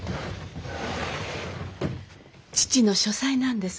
父の書斎なんです。